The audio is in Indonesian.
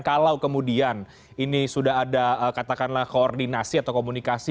kalau kemudian ini sudah ada katakanlah koordinasi atau komunikasi